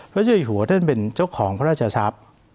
เจ้าอยู่หัวท่านเป็นเจ้าของพระราชทรัพย์